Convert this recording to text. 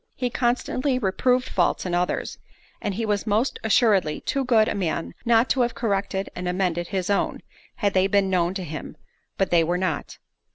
He constantly reproved faults in others, and he was most assuredly too good a man not to have corrected and amended his own, had they been known to him—but they were not.